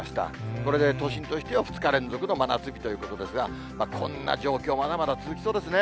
これで都心としては２日連続の真夏日ということですが、こんな状況、まだまだ続きそうですね。